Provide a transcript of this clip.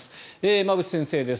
馬渕先生です。